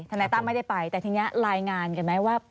นายตั้มไม่ได้ไปแต่ทีนี้รายงานกันไหมว่า